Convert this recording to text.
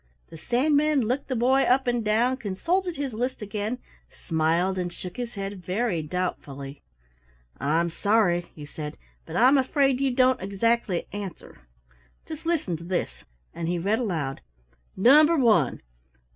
The Sandman looked the boy up and down, consulted his list again, smiled and shook his head very doubtfully. "I'm sorry," he said, "but I'm afraid you don't exactly answer. Just listen to this." And he read aloud: "Number one.